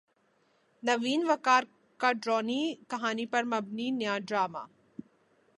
نوین وقار کا ڈرانی کہانی پر مبنی نیا ڈراما